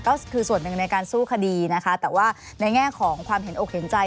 ก็คือส่วนหนึ่งในการสู้คดีนะคะแต่ว่าในแง่ของความเห็นอกเห็นใจ